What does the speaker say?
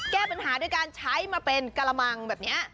แก้ปัญหาด้วยการใช้มาเป็นกระมังแบบนี้